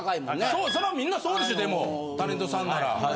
そうそらみんなそうでしょでもタレントさんなら。